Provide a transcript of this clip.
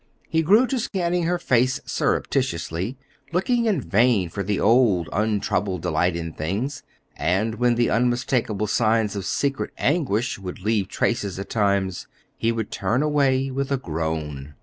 He grew to scanning her face surreptitiously, looking in vain for the old, untroubled delight in things; and when the unmistakable signs of secret anguish would leave traces at times, he would turn away with a groan.